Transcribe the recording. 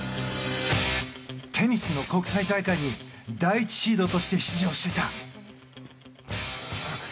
テニスの国際大会に第１シードとして出場していた。